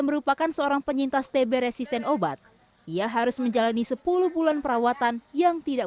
merupakan seorang penyintas tb resisten obat ia harus menjalani sepuluh bulan perawatan yang tidak